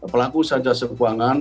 pelaku saja sekuangan